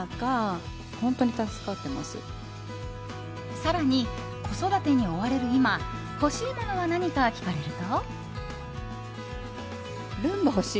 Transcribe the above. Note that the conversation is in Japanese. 更に、子育てに追われる今欲しいものは何か聞かれると。